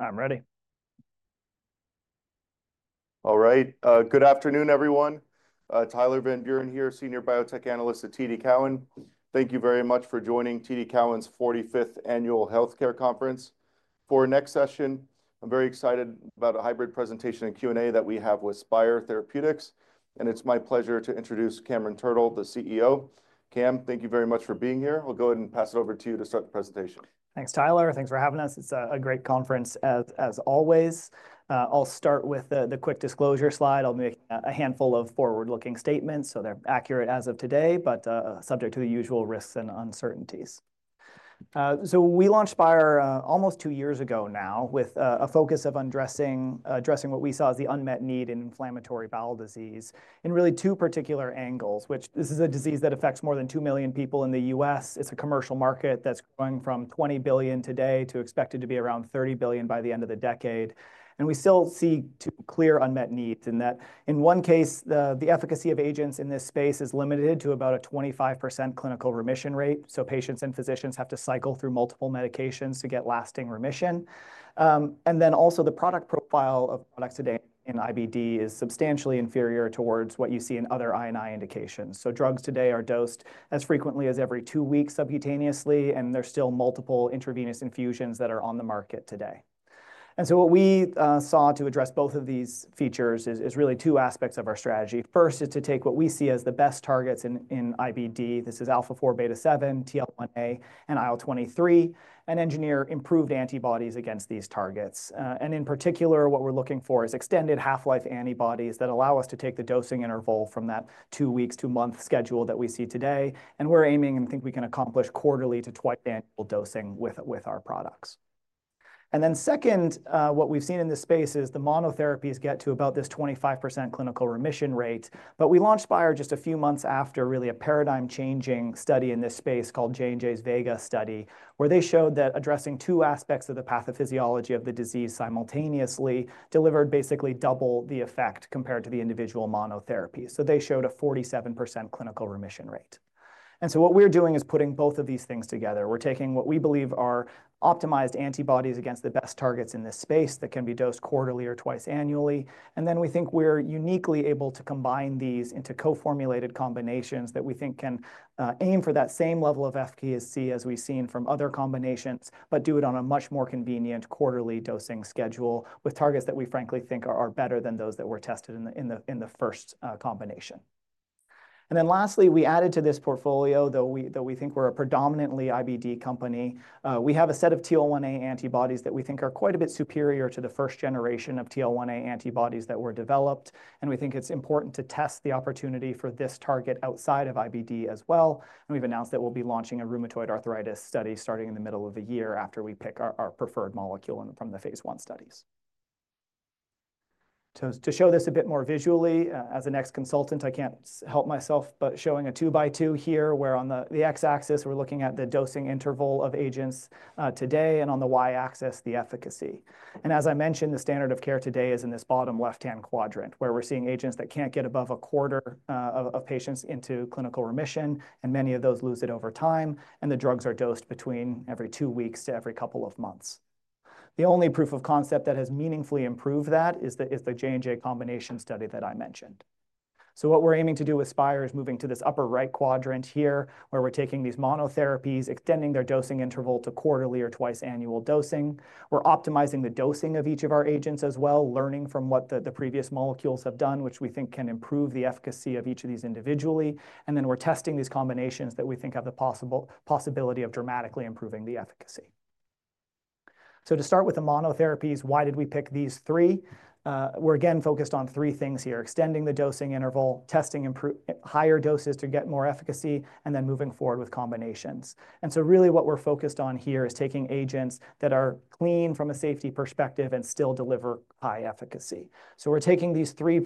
Sorry. I'm ready. All right. Good afternoon, everyone. Tyler Van Buren here, Senior Biotech Analyst at TD Cowen. Thank you very much for joining TD Cowen's 45th Annual Healthcare Conference. For our next session, I'm very excited about a hybrid presentation and Q&A that we have with Spyre Therapeutics. And it's my pleasure to introduce Cameron Turtle, the CEO. Cam, thank you very much for being here. I'll go ahead and pass it over to you to start the presentation. Thanks, Tyler. Thanks for having us. It's a great conference, as always. I'll start with the quick disclosure slide. I'll make a handful of forward-looking statements, so they're accurate as of today, but subject to the usual risks and uncertainties. We launched Spyre almost two years ago now with a focus of addressing what we saw as the unmet need in inflammatory bowel disease in really two particular angles, which this is a disease that affects more than 2 million people in the U.S. It's a commercial market that's growing from 20 billion today to expected to be around 30 billion by the end of the decade. We still see two clear unmet needs in that, in one case, the efficacy of agents in this space is limited to about a 25% clinical remission rate. Patients and physicians have to cycle through multiple medications to get lasting remission. The product profile of products today in IBD is substantially inferior to what you see in other INI indications. Drugs today are dosed as frequently as every two weeks subcutaneously, and there are still multiple intravenous infusions that are on the market today. What we saw to address both of these features is really two aspects of our strategy. First is to take what we see as the best targets in IBD. This is alpha-4 beta-7, TL1A, and IL-23, and engineer improved antibodies against these targets. In particular, what we're looking for is extended half-life antibodies that allow us to take the dosing interval from that two-week to month schedule that we see today. We're aiming, and I think we can accomplish, quarterly to twice-annual dosing with our products. What we've seen in this space is the monotherapies get to about this 25% clinical remission rate. We launched Spyre just a few months after really a paradigm-changing study in this space called J&J's Vega study, where they showed that addressing two aspects of the pathophysiology of the disease simultaneously delivered basically double the effect compared to the individual monotherapy. They showed a 47% clinical remission rate. What we're doing is putting both of these things together. We're taking what we believe are optimized antibodies against the best targets in this space that can be dosed quarterly or twice annually. We think we're uniquely able to combine these into co-formulated combinations that we think can aim for that same level of efficacy as we've seen from other combinations, but do it on a much more convenient quarterly dosing schedule with targets that we, frankly, think are better than those that were tested in the first combination. Lastly, we added to this portfolio, though we think we're a predominantly IBD company, we have a set of TL1A antibodies that we think are quite a bit superior to the first generation of TL1A antibodies that were developed. We think it's important to test the opportunity for this target outside of IBD as well. We've announced that we'll be launching a rheumatoid arthritis study starting in the middle of the year after we pick our preferred molecule from the phase one studies. To show this a bit more visually, as a next consultant, I can't help myself but showing a two-by-two here where on the x-axis, we're looking at the dosing interval of agents today, and on the y-axis, the efficacy. As I mentioned, the standard of care today is in this bottom left-hand quadrant where we're seeing agents that can't get above a quarter of patients into clinical remission, and many of those lose it over time. The drugs are dosed between every two weeks to every couple of months. The only proof of concept that has meaningfully improved that is the J&J combination study that I mentioned. What we're aiming to do with Spyre is moving to this upper right quadrant here where we're taking these monotherapies, extending their dosing interval to quarterly or twice-annual dosing. We're optimizing the dosing of each of our agents as well, learning from what the previous molecules have done, which we think can improve the efficacy of each of these individually. We're testing these combinations that we think have the possibility of dramatically improving the efficacy. To start with the monotherapies, why did we pick these three? We're again focused on three things here: extending the dosing interval, testing higher doses to get more efficacy, and then moving forward with combinations. What we're focused on here is taking agents that are clean from a safety perspective and still deliver high efficacy. We're taking these three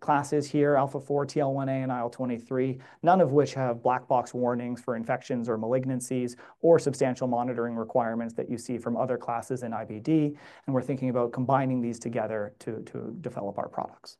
classes here: alpha-4 beta-7, TL1A, and IL-23, none of which have black box warnings for infections or malignancies or substantial monitoring requirements that you see from other classes in IBD. We're thinking about combining these together to develop our products.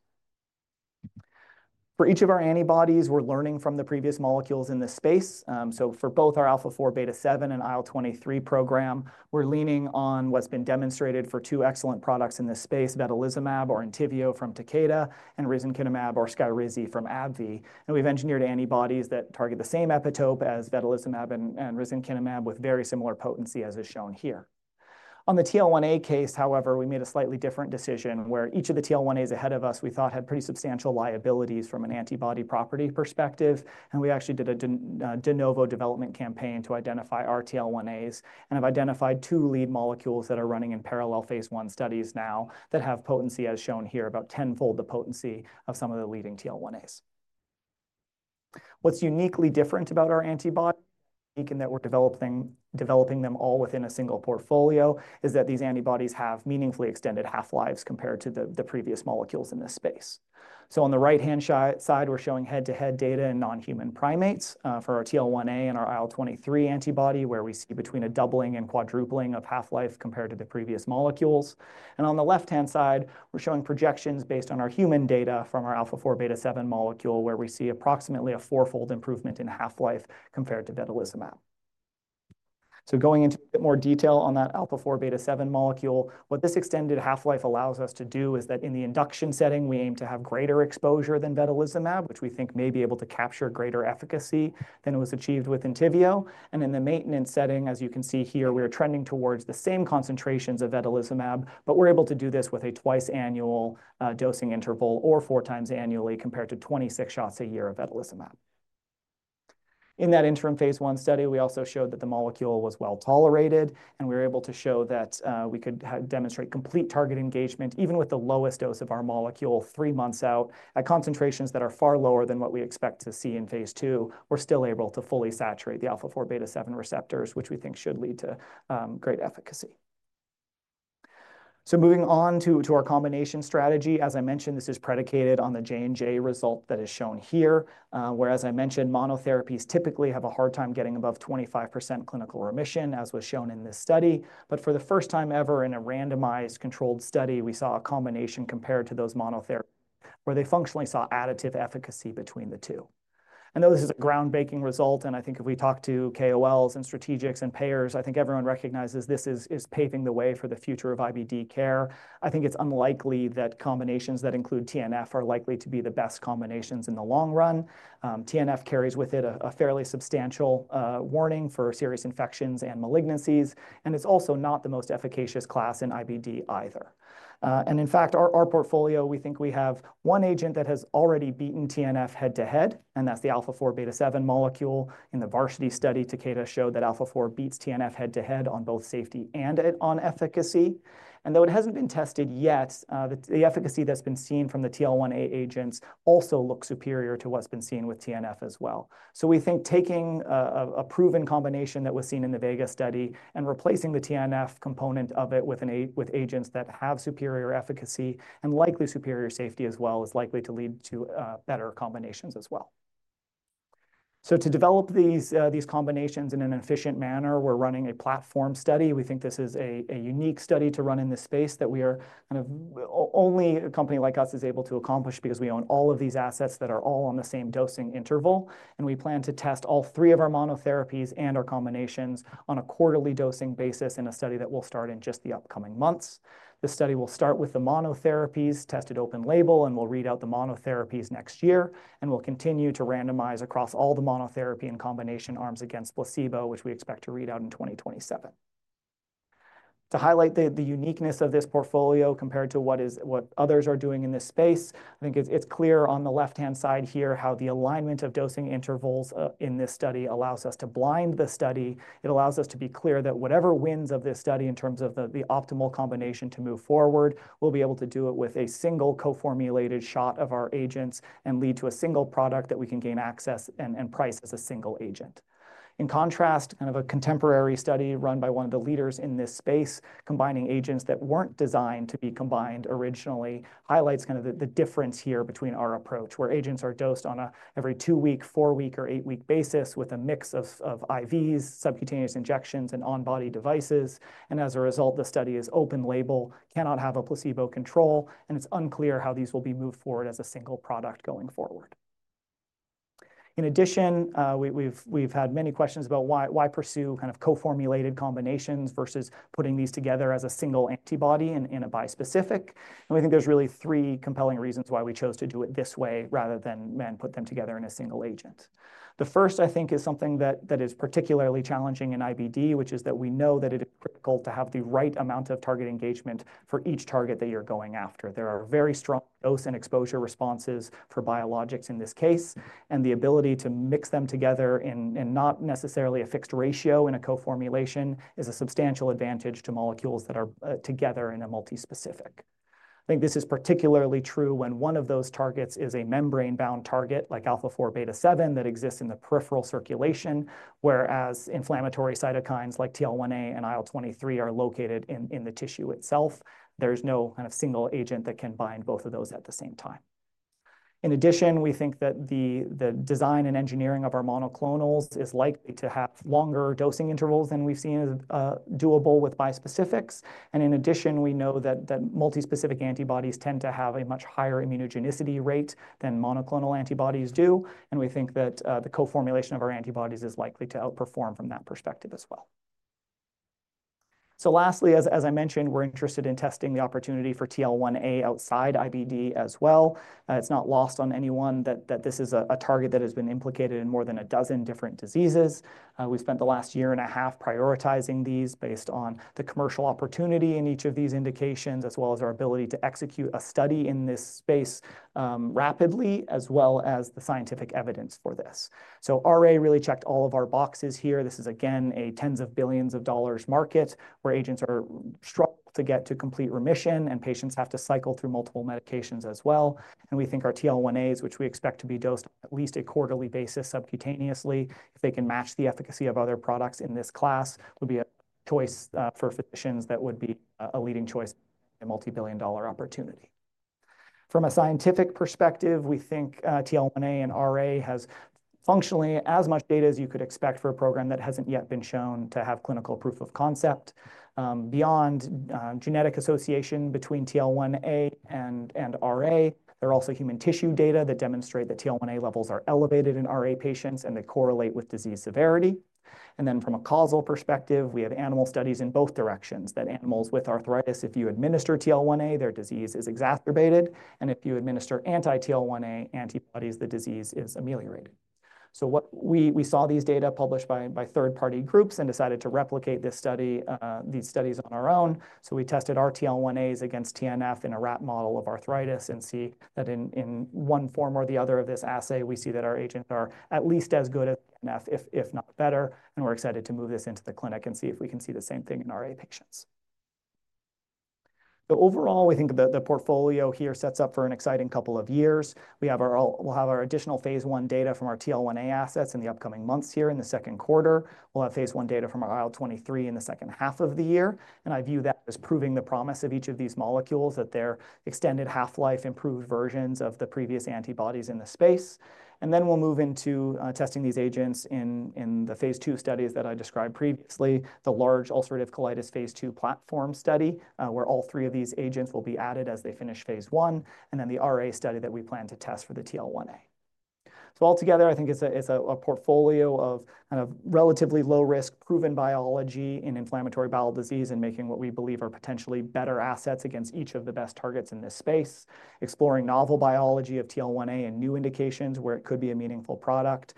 For each of our antibodies, we're learning from the previous molecules in this space. For both our alpha-4 beta-7 and IL-23 program, we're leaning on what's been demonstrated for two excellent products in this space: vedolizumab or Entyvio from Takeda, and risankizumab or Skyrizi from AbbVie. We've engineered antibodies that target the same epitope as vedolizumab and risankizumab with very similar potency as is shown here. On the TL1A case, however, we made a slightly different decision where each of the TL1As ahead of us we thought had pretty substantial liabilities from an antibody property perspective. We actually did a de novo development campaign to identify our TL1As and have identified two lead molecules that are running in parallel phase one studies now that have potency, as shown here, about tenfold the potency of some of the leading TL1As. What is uniquely different about our antibodies and that we are developing them all within a single portfolio is that these antibodies have meaningfully extended half-lives compared to the previous molecules in this space. On the right-hand side, we are showing head-to-head data in non-human primates for our TL1A and our IL-23 antibody, where we see between a doubling and quadrupling of half-life compared to the previous molecules. On the left-hand side, we are showing projections based on our human data from our alpha-4 beta-7 molecule, where we see approximately a fourfold improvement in half-life compared to vedolizumab. Going into a bit more detail on that alpha-4 beta-7 molecule, what this extended half-life allows us to do is that in the induction setting, we aim to have greater exposure than vedolizumab, which we think may be able to capture greater efficacy than was achieved with Entyvio. In the maintenance setting, as you can see here, we are trending towards the same concentrations of vedolizumab, but we are able to do this with a twice-annual dosing interval or four times annually compared to 26 shots a year of vedolizumab. In that interim phase one study, we also showed that the molecule was well tolerated, and we were able to show that we could demonstrate complete target engagement even with the lowest dose of our molecule three months out at concentrations that are far lower than what we expect to see in phase two. We're still able to fully saturate the alpha-4 beta-7 receptors, which we think should lead to great efficacy. Moving on to our combination strategy, as I mentioned, this is predicated on the J&J result that is shown here, where, as I mentioned, monotherapies typically have a hard time getting above 25% clinical remission, as was shown in this study. For the first time ever in a randomized controlled study, we saw a combination compared to those monotherapies where they functionally saw additive efficacy between the two. This is a groundbreaking result, and I think if we talk to KOLs and strategics and payers, I think everyone recognizes this is paving the way for the future of IBD care. I think it's unlikely that combinations that include TNF are likely to be the best combinations in the long run. TNF carries with it a fairly substantial warning for serious infections and malignancies, and it's also not the most efficacious class in IBD either. In fact, our portfolio, we think we have one agent that has already beaten TNF head-to-head, and that's the alpha-4 beta-7 molecule. In the Varsity study, Takeda showed that alpha-4 beats TNF head-to-head on both safety and on efficacy. Though it hasn't been tested yet, the efficacy that's been seen from the TL1A agents also looks superior to what's been seen with TNF as well. We think taking a proven combination that was seen in the Vega study and replacing the TNF component of it with agents that have superior efficacy and likely superior safety as well is likely to lead to better combinations as well. To develop these combinations in an efficient manner, we're running a platform study. We think this is a unique study to run in this space that we are kind of only a company like us is able to accomplish because we own all of these assets that are all on the same dosing interval. We plan to test all three of our monotherapies and our combinations on a quarterly dosing basis in a study that will start in just the upcoming months. The study will start with the monotherapies tested open label, and we will read out the monotherapies next year. We will continue to randomize across all the monotherapy and combination arms against placebo, which we expect to read out in 2027. To highlight the uniqueness of this portfolio compared to what others are doing in this space, I think it is clear on the left-hand side here how the alignment of dosing intervals in this study allows us to blind the study. It allows us to be clear that whatever wins of this study in terms of the optimal combination to move forward, we'll be able to do it with a single co-formulated shot of our agents and lead to a single product that we can gain access and price as a single agent. In contrast, kind of a contemporary study run by one of the leaders in this space, combining agents that weren't designed to be combined originally, highlights kind of the difference here between our approach, where agents are dosed on an every two-week, four-week, or eight-week basis with a mix of IVs, subcutaneous injections, and on-body devices. As a result, the study is open label, cannot have a placebo control, and it's unclear how these will be moved forward as a single product going forward. In addition, we've had many questions about why pursue kind of co-formulated combinations versus putting these together as a single antibody in a bispecific. We think there's really three compelling reasons why we chose to do it this way rather than put them together in a single agent. The first, I think, is something that is particularly challenging in IBD, which is that we know that it is critical to have the right amount of target engagement for each target that you're going after. There are very strong dose and exposure responses for biologics in this case, and the ability to mix them together in not necessarily a fixed ratio in a co-formulation is a substantial advantage to molecules that are together in a multi-specific. I think this is particularly true when one of those targets is a membrane-bound target like alpha-4 beta-7 that exists in the peripheral circulation, whereas inflammatory cytokines like TL1A and IL-23 are located in the tissue itself. There's no kind of single agent that can bind both of those at the same time. In addition, we think that the design and engineering of our monoclonals is likely to have longer dosing intervals than we've seen as doable with bispecifics. In addition, we know that multi-specific antibodies tend to have a much higher immunogenicity rate than monoclonal antibodies do. We think that the co-formulation of our antibodies is likely to outperform from that perspective as well. Lastly, as I mentioned, we're interested in testing the opportunity for TL1A outside IBD as well. It's not lost on anyone that this is a target that has been implicated in more than a dozen different diseases. We spent the last year and a half prioritizing these based on the commercial opportunity in each of these indications, as well as our ability to execute a study in this space rapidly, as well as the scientific evidence for this. RA really checked all of our boxes here. This is, again, a tens of billions of dollars market where agents are struggling to get to complete remission, and patients have to cycle through multiple medications as well. We think our TL1As, which we expect to be dosed on at least a quarterly basis subcutaneously, if they can match the efficacy of other products in this class, would be a choice for physicians that would be a leading choice and multi-billion dollar opportunity. From a scientific perspective, we think TL1A and RA have functionally as much data as you could expect for a program that hasn't yet been shown to have clinical proof of concept. Beyond genetic association between TL1A and RA, there are also human tissue data that demonstrate that TL1A levels are elevated in RA patients and they correlate with disease severity. From a causal perspective, we have animal studies in both directions that animals with arthritis, if you administer TL1A, their disease is exacerbated. If you administer anti-TL1A antibodies, the disease is ameliorated. We saw these data published by third-party groups and decided to replicate this study, these studies on our own. We tested our TL1As against TNF in a rat model of arthritis and see that in one form or the other of this assay, we see that our agents are at least as good as TNF, if not better. We are excited to move this into the clinic and see if we can see the same thing in RA patients. Overall, we think the portfolio here sets up for an exciting couple of years. We will have our additional phase one data from our TL1A assets in the upcoming months here in the second quarter. We will have phase one data from our IL-23 in the second half of the year. I view that as proving the promise of each of these molecules, that they are extended half-life improved versions of the previous antibodies in the space. We will move into testing these agents in the phase two studies that I described previously, the large ulcerative colitis phase two platform study, where all three of these agents will be added as they finish phase one, and then the RA study that we plan to test for the TL1A. Altogether, I think it's a portfolio of kind of relatively low-risk proven biology in inflammatory bowel disease and making what we believe are potentially better assets against each of the best targets in this space, exploring novel biology of TL1A and new indications where it could be a meaningful product.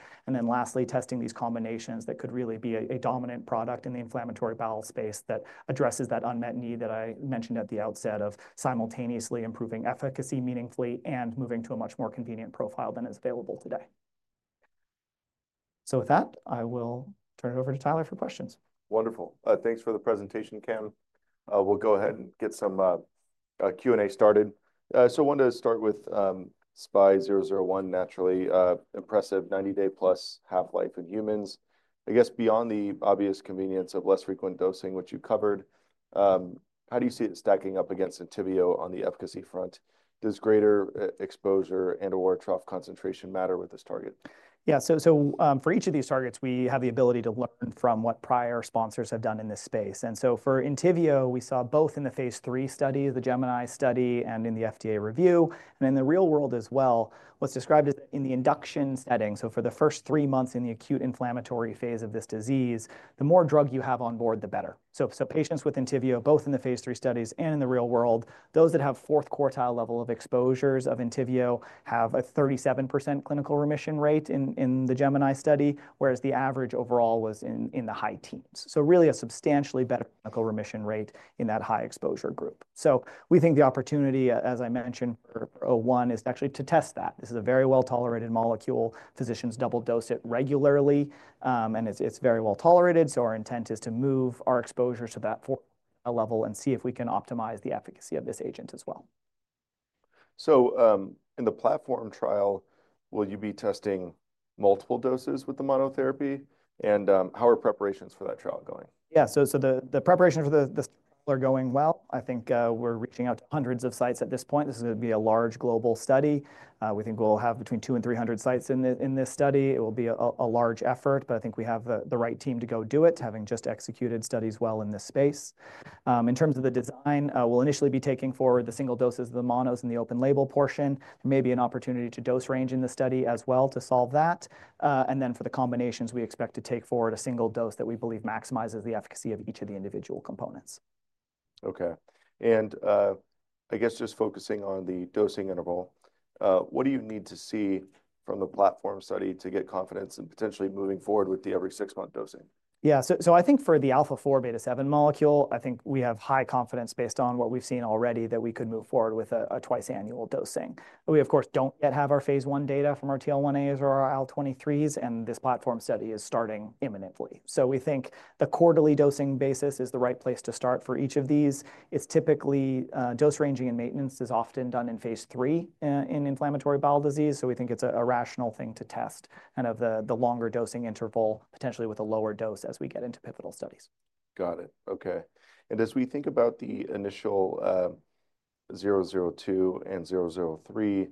Lastly, testing these combinations could really be a dominant product in the inflammatory bowel space that addresses that unmet need that I mentioned at the outset of simultaneously improving efficacy meaningfully and moving to a much more convenient profile than is available today. With that, I will turn it over to Tyler for questions. Wonderful. Thanks for the presentation, Cam. We'll go ahead and get some Q&A started. I wanted to start with SPY001, naturally. Impressive 90-day plus half-life in humans. I guess beyond the obvious convenience of less frequent dosing, which you covered, how do you see it stacking up against Entyvio on the efficacy front? Does greater exposure and/or trough concentration matter with this target? Yeah, for each of these targets, we have the ability to learn from what prior sponsors have done in this space. For Entyvio, we saw both in the phase three study, the Gemini study, and in the FDA review. In the real world as well, what's described as in the induction setting, for the first three months in the acute inflammatory phase of this disease, the more drug you have on board, the better. Patients with Entyvio, both in the phase three studies and in the real world, those that have fourth quartile level of exposures of Entyvio have a 37% clinical remission rate in the Gemini study, whereas the average overall was in the high teens. A substantially better clinical remission rate is seen in that high exposure group. We think the opportunity, as I mentioned for O1, is actually to test that. This is a very well-tolerated molecule. Physicians double-dose it regularly, and it's very well tolerated. Our intent is to move our exposure to that fourth quartile level and see if we can optimize the efficacy of this agent as well. In the platform trial, will you be testing multiple doses with the monotherapy? How are preparations for that trial going? Yeah, the preparations for this trial are going well. I think we're reaching out to hundreds of sites at this point. This is going to be a large global study. We think we'll have between 200 and 300 sites in this study. It will be a large effort, but I think we have the right team to go do it, having just executed studies well in this space. In terms of the design, we'll initially be taking forward the single doses of the monos in the open label portion. There may be an opportunity to dose range in the study as well to solve that. For the combinations, we expect to take forward a single dose that we believe maximizes the efficacy of each of the individual components. Okay. I guess just focusing on the dosing interval, what do you need to see from the platform study to get confidence in potentially moving forward with the every six-month dosing? Yeah, I think for the alpha-4 beta-7 molecule, I think we have high confidence based on what we've seen already that we could move forward with a twice-annual dosing. We, of course, do not yet have our phase one data from our TL1As or our IL-23s, and this platform study is starting imminently. We think the quarterly dosing basis is the right place to start for each of these. It's typically dose ranging and maintenance is often done in phase three in inflammatory bowel disease. We think it's a rational thing to test kind of the longer dosing interval, potentially with a lower dose as we get into pivotal studies. Got it. Okay. And as we think about the initial 002 and 003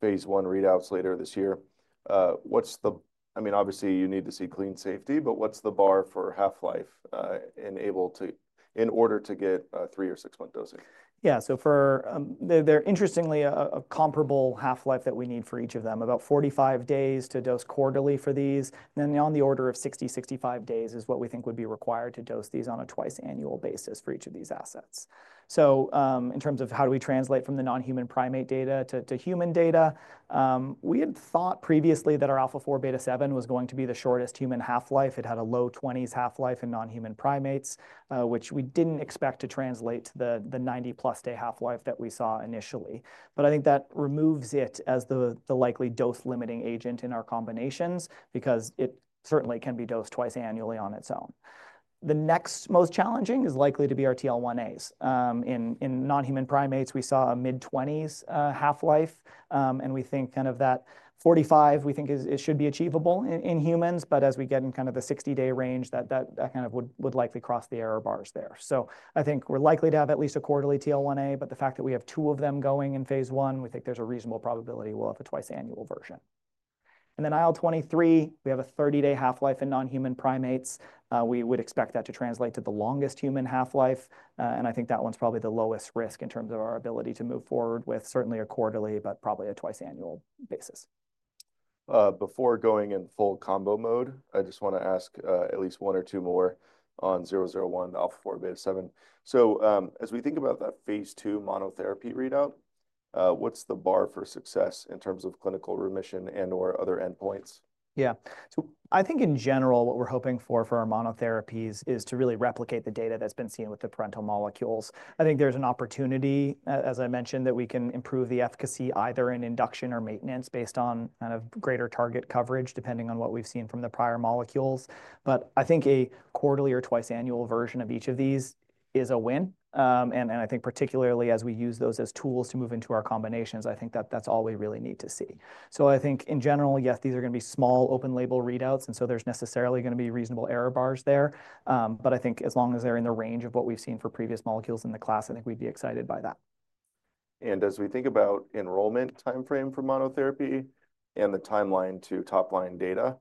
phase one readouts later this year, what's the, I mean, obviously you need to see clean safety, but what's the bar for half-life in order to get a three or six-month dosing? Yeah, so for, they're interestingly a comparable half-life that we need for each of them, about 45 days to dose quarterly for these. And then on the order of 60-65 days is what we think would be required to dose these on a twice-annual basis for each of these assets. In terms of how do we translate from the non-human primate data to human data, we had thought previously that our alpha-4 beta-7 was going to be the shortest human half-life. It had a low 20s half-life in non-human primates, which we did not expect to translate to the 90-plus day half-life that we saw initially. I think that removes it as the likely dose-limiting agent in our combinations because it certainly can be dosed twice annually on its own. The next most challenging is likely to be our TL1As. In non-human primates, we saw a mid-20s half-life. We think kind of that 45, we think it should be achievable in humans. As we get in kind of the 60-day range, that kind of would likely cross the error bars there. I think we're likely to have at least a quarterly TL1A, but the fact that we have two of them going in phase one, we think there's a reasonable probability we'll have a twice-annual version. IL-23, we have a 30-day half-life in non-human primates. We would expect that to translate to the longest human half-life. I think that one's probably the lowest risk in terms of our ability to move forward with certainly a quarterly, but probably a twice-annual basis. Before going in full combo mode, I just want to ask at least one or two more on 001, alpha-4 beta-7. As we think about that phase two monotherapy readout, what's the bar for success in terms of clinical remission and/or other endpoints? Yeah. I think in general, what we're hoping for for our monotherapies is to really replicate the data that's been seen with the parental molecules. I think there's an opportunity, as I mentioned, that we can improve the efficacy either in induction or maintenance based on kind of greater target coverage, depending on what we've seen from the prior molecules. I think a quarterly or twice-annual version of each of these is a win. I think particularly as we use those as tools to move into our combinations, I think that that's all we really need to see. I think in general, yes, these are going to be small open label readouts. There's necessarily going to be reasonable error bars there. I think as long as they're in the range of what we've seen for previous molecules in the class, I think we'd be excited by that. As we think about enrollment timeframe for monotherapy and the timeline to top-line data,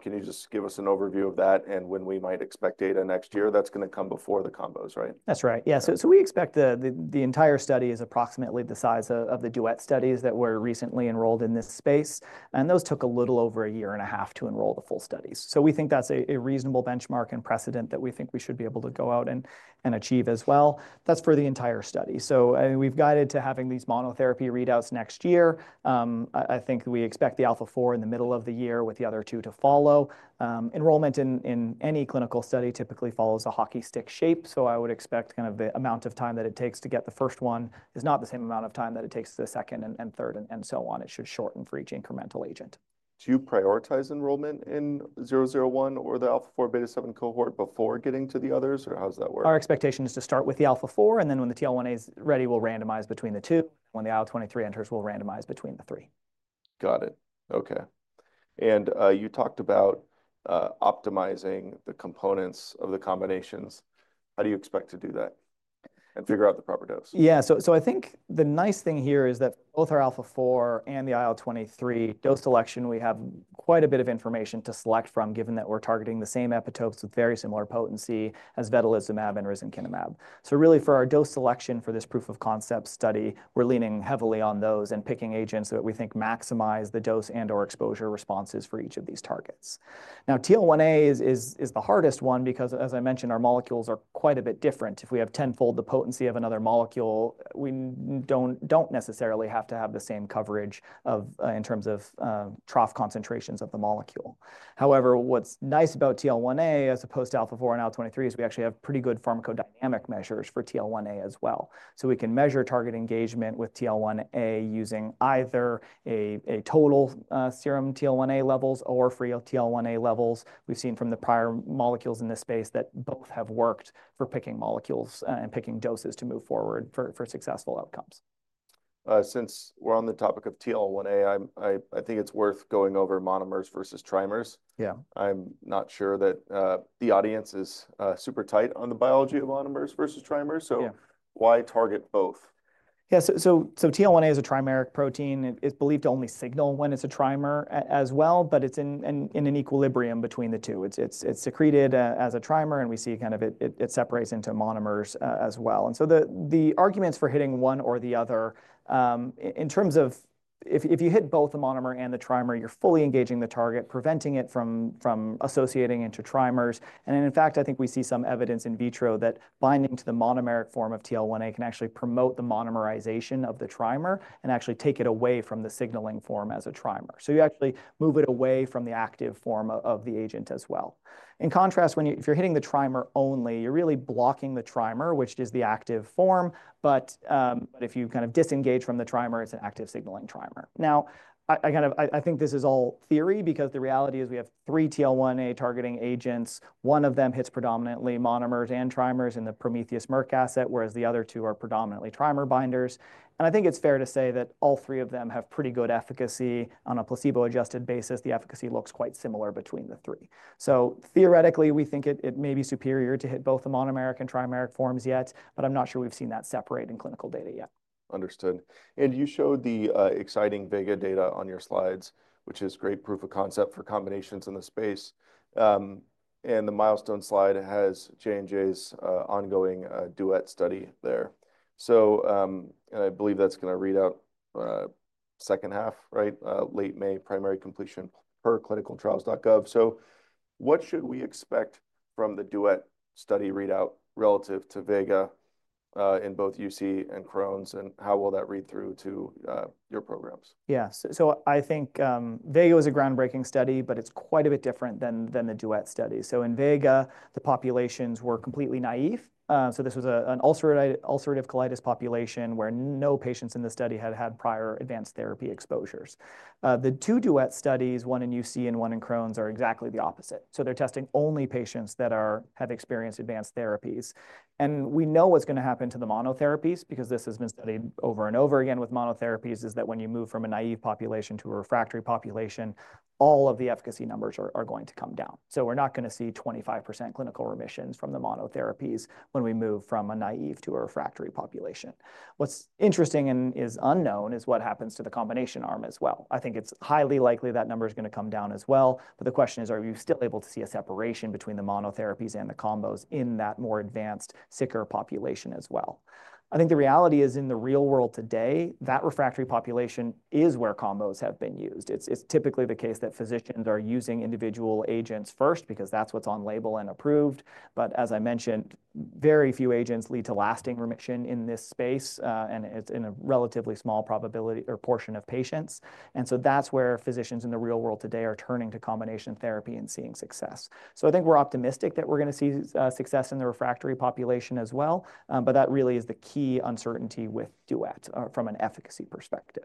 can you just give us an overview of that and when we might expect data next year that's going to come before the combos, right? That's right. Yeah. We expect the entire study is approximately the size of the duet studies that were recently enrolled in this space. Those took a little over a year and a half to enroll the full studies. We think that's a reasonable benchmark and precedent that we think we should be able to go out and achieve as well. That's for the entire study. We've guided to having these monotherapy readouts next year. I think we expect the alpha-4 in the middle of the year with the other two to follow. Enrollment in any clinical study typically follows a hockey stick shape. I would expect kind of the amount of time that it takes to get the first one is not the same amount of time that it takes the second and third and so on. It should shorten for each incremental agent. Do you prioritize enrollment in 001 or the alpha-4 beta-7 cohort before getting to the others? How does that work? Our expectation is to start with the alpha-4, and then when the TL1A is ready, we'll randomize between the two. When the IL-23 enters, we'll randomize between the three. Got it. Okay. You talked about optimizing the components of the combinations. How do you expect to do that and figure out the proper dose? Yeah. I think the nice thing here is that both our alpha-4 and the IL-23 dose selection, we have quite a bit of information to select from, given that we're targeting the same epitopes with very similar potency as vedolizumab and risankizumab. Really for our dose selection for this proof of concept study, we're leaning heavily on those and picking agents that we think maximize the dose and/or exposure responses for each of these targets. Now, TL1A is the hardest one because, as I mentioned, our molecules are quite a bit different. If we have tenfold the potency of another molecule, we don't necessarily have to have the same coverage in terms of trough concentrations of the molecule. However, what's nice about TL1A as opposed to alpha-4 and IL-23 is we actually have pretty good pharmacodynamic measures for TL1A as well. We can measure target engagement with TL1A using either total serum TL1A levels or free TL1A levels. We've seen from the prior molecules in this space that both have worked for picking molecules and picking doses to move forward for successful outcomes. Since we're on the topic of TL1A, I think it's worth going over monomers versus trimers. I'm not sure that the audience is super tight on the biology of monomers versus trimers. Why target both? TL1A is a trimeric protein. It's believed to only signal when it's a trimer as well, but it's in an equilibrium between the two. It's secreted as a trimer, and we see it separates into monomers as well. The arguments for hitting one or the other in terms of if you hit both the monomer and the trimer, you're fully engaging the target, preventing it from associating into trimers. I think we see some evidence in vitro that binding to the monomeric form of TL1A can actually promote the monomerization of the trimer and actually take it away from the signaling form as a trimer. You actually move it away from the active form of the agent as well. In contrast, if you're hitting the trimer only, you're really blocking the trimer, which is the active form. If you kind of disengage from the trimer, it's an active signaling trimer. I think this is all theory because the reality is we have three TL1A targeting agents. One of them hits predominantly monomers and trimers in the Prometheus-Merck asset, whereas the other two are predominantly trimer binders. I think it's fair to say that all three of them have pretty good efficacy on a placebo-adjusted basis. The efficacy looks quite similar between the three. Theoretically, we think it may be superior to hit both the monomeric and trimeric forms yet, but I'm not sure we've seen that separate in clinical data yet. Understood. You showed the exciting Vega data on your slides, which is great proof of concept for combinations in the space. The milestone slide has J&J's ongoing Duet study there. I believe that's going to read out second half, right? Late May, primary completion per clinicaltrials.gov. What should we expect from the Duet study readout relative to Vega in both UC and Crohn's? How will that read through to your programs? Yeah. I think Vega was a groundbreaking study, but it's quite a bit different than the Duet study. In Vega, the populations were completely naive. This was an ulcerative colitis population where no patients in the study had had prior advanced therapy exposures. The two Duet studies, one in UC and one in Crohn's, are exactly the opposite. They're testing only patients that have experienced advanced therapies. We know what's going to happen to the monotherapies because this has been studied over and over again with monotherapies, is that when you move from a naive population to a refractory population, all of the efficacy numbers are going to come down. We're not going to see 25% clinical remissions from the monotherapies when we move from a naive to a refractory population. What's interesting and is unknown is what happens to the combination arm as well. I think it's highly likely that number is going to come down as well. The question is, are we still able to see a separation between the monotherapies and the combos in that more advanced, sicker population as well? I think the reality is in the real world today, that refractory population is where combos have been used. It's typically the case that physicians are using individual agents first because that's what's on label and approved. As I mentioned, very few agents lead to lasting remission in this space and it's in a relatively small probability or portion of patients. That is where physicians in the real world today are turning to combination therapy and seeing success. I think we're optimistic that we're going to see success in the refractory population as well. That really is the key uncertainty with duet from an efficacy perspective.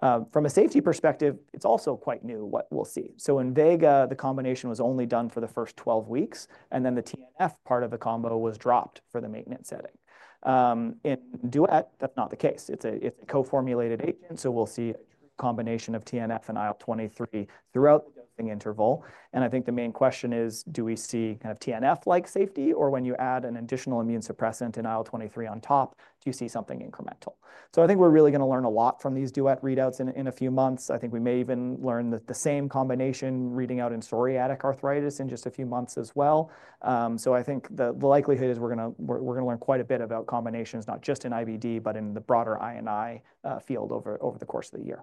From a safety perspective, it's also quite new what we'll see. In Vega, the combination was only done for the first 12 weeks, and then the TNF part of the combo was dropped for the maintenance setting. In duet, that's not the case. It's a co-formulated agent. We'll see a true combination of TNF and IL-23 throughout the dosing interval. I think the main question is, do we see kind of TNF-like safety? Or when you add an additional immune suppressant in IL-23 on top, do you see something incremental? I think we're really going to learn a lot from these duet readouts in a few months. I think we may even learn the same combination reading out in psoriatic arthritis in just a few months as well. I think the likelihood is we're going to learn quite a bit about combinations, not just in IBD, but in the broader INI field over the course of the year.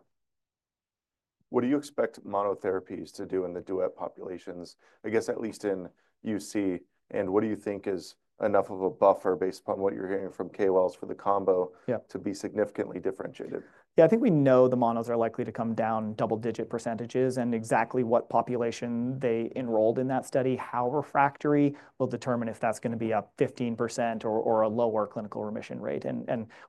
What do you expect monotherapies to do in the duet populations, I guess, at least in UC? What do you think is enough of a buffer based upon what you're hearing from K-Wells for the combo to be significantly differentiated? I think we know the monos are likely to come down double-digit percentages and exactly what population they enrolled in that study. How refractory will determine if that's going to be up 15% or a lower clinical remission rate.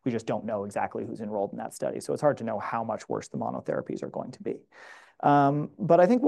We just don't know exactly who's enrolled in that study. It's hard to know how much worse the monotherapies are going to be. I think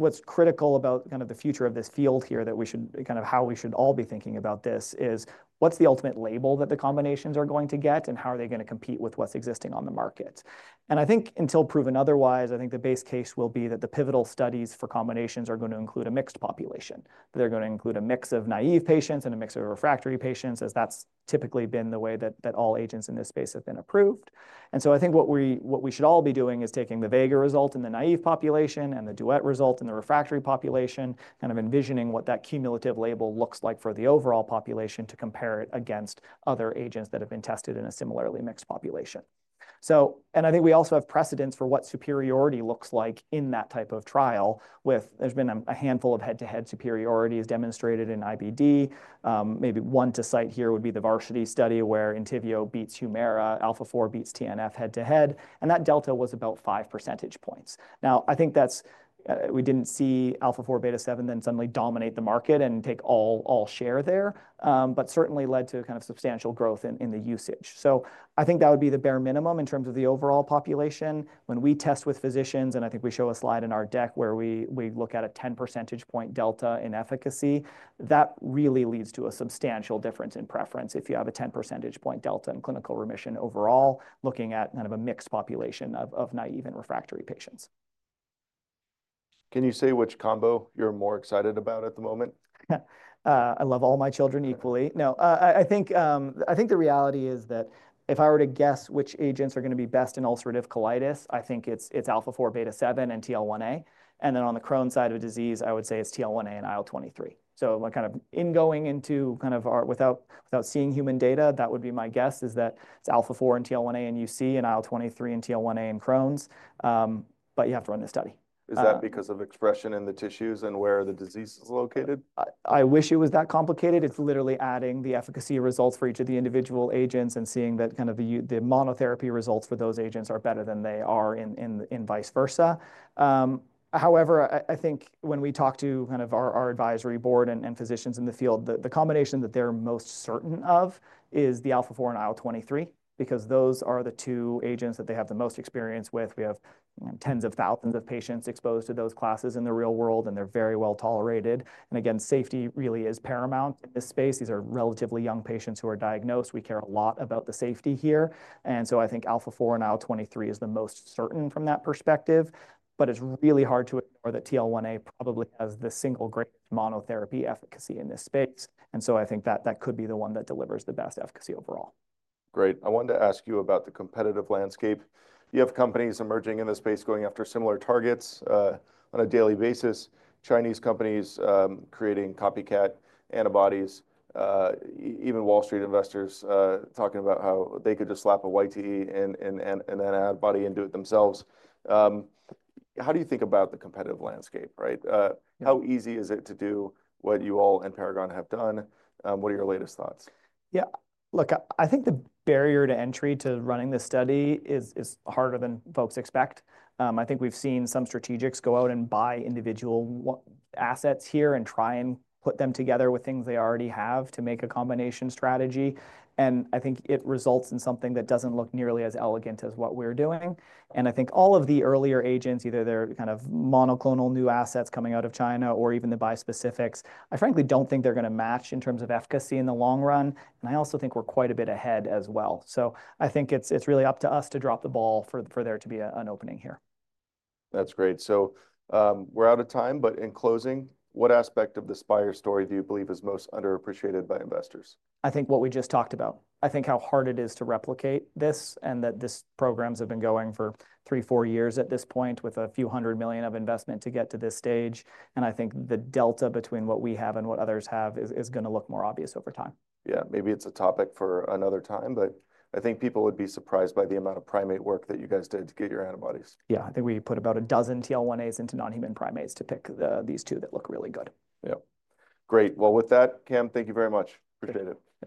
what's critical about kind of the future of this field here, that we should kind of how we should all be thinking about this is what's the ultimate label that the combinations are going to get and how are they going to compete with what's existing on the market? I think until proven otherwise, I think the base case will be that the pivotal studies for combinations are going to include a mixed population. They're going to include a mix of naive patients and a mix of refractory patients as that's typically been the way that all agents in this space have been approved. I think what we should all be doing is taking the Vega result in the naive population and the Duet result in the refractory population, kind of envisioning what that cumulative label looks like for the overall population to compare it against other agents that have been tested in a similarly mixed population. I think we also have precedents for what superiority looks like in that type of trial with there's been a handful of head-to-head superiorities demonstrated in IBD. Maybe one to cite here would be the Varsity study where Entyvio beats Humira, alpha-4 beats TNF head-to-head. That delta was about five percentage points. I think we did not see alpha-4 beta-7 then suddenly dominate the market and take all share there, but certainly led to kind of substantial growth in the usage. I think that would be the bare minimum in terms of the overall population. When we test with physicians, and I think we show a slide in our deck where we look at a 10 percentage point delta in efficacy, that really leads to a substantial difference in preference if you have a 10 percentage point delta in clinical remission overall, looking at kind of a mixed population of naive and refractory patients. Can you say which combo you're more excited about at the moment? I love all my children equally. No, I think the reality is that if I were to guess which agents are going to be best in ulcerative colitis, I think it's alpha-4 beta-7 and TL1A. And then on the Crohn's side of disease, I would say it's TL1A and IL-23. Kind of going into kind of our without seeing human data, that would be my guess is that it's alpha-4 and TL1A in UC and IL-23 and TL1A in Crohn's. You have to run the study. Is that because of expression in the tissues and where the disease is located? I wish it was that complicated. It's literally adding the efficacy results for each of the individual agents and seeing that kind of the monotherapy results for those agents are better than they are in vice versa. However, I think when we talk to kind of our advisory board and physicians in the field, the combination that they're most certain of is the alpha-4 and IL-23 because those are the two agents that they have the most experience with. We have tens of thousands of patients exposed to those classes in the real world, and they're very well tolerated. Again, safety really is paramount in this space. These are relatively young patients who are diagnosed. We care a lot about the safety here. I think alpha-4 and IL-23 is the most certain from that perspective. It's really hard to ignore that TL1A probably has the single greatest monotherapy efficacy in this space. I think that that could be the one that delivers the best efficacy overall. Great. I wanted to ask you about the competitive landscape. You have companies emerging in the space going after similar targets on a daily basis. Chinese companies creating copycat antibodies, even Wall Street investors talking about how they could just slap a YTE and then add body and do it themselves. How do you think about the competitive landscape? How easy is it to do what you all and Paragon have done? What are your latest thoughts? Yeah. Look, I think the barrier to entry to running this study is harder than folks expect. I think we've seen some strategics go out and buy individual assets here and try and put them together with things they already have to make a combination strategy. I think it results in something that doesn't look nearly as elegant as what we're doing. I think all of the earlier agents, either they're kind of monoclonal new assets coming out of China or even the bispecifics, I frankly don't think they're going to match in terms of efficacy in the long run. I also think we're quite a bit ahead as well. I think it's really up to us to drop the ball for there to be an opening here. That's great. We're out of time, but in closing, what aspect of the Spyre story do you believe is most underappreciated by investors? I think what we just talked about. I think how hard it is to replicate this and that these programs have been going for three, four years at this point with a few hundred million of investment to get to this stage. I think the delta between what we have and what others have is going to look more obvious over time. Maybe it's a topic for another time, but I think people would be surprised by the amount of primate work that you guys did to get your antibodies. Yeah, I think we put about a dozen TL1As into non-human primates to pick these two that look really good. Yeah. Great. With that, Cam, thank you very much. Appreciate it.